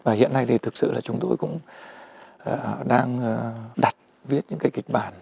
và hiện nay thì thực sự là chúng tôi cũng đang đặt viết những cái kịch bản